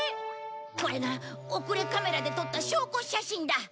これがおくれカメラで撮った証拠写真だ。